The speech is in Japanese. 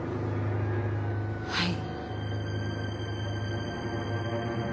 はい。